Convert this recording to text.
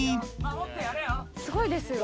すごいですよ。